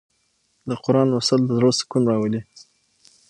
د قرآن لوستل د زړه سکون راولي.